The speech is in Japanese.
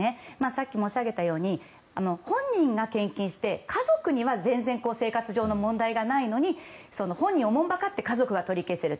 さっき申し上げたように本人が献金して、家族には全然生活上の問題がないのに本人をおもんぱかって家族が取り消せる。